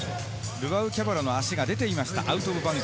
ルワロ・キャバロの足が出ていました。